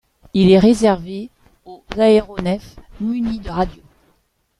Il est réservé aux aéronefs munis de radio.